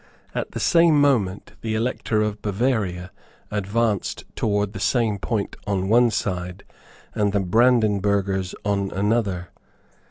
At the same moment the Elector of Bavaria advanced towards the same point on one side, and the Brandenburghers on another.